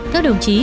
các đồng chí